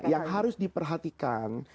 yang harus diperhatikan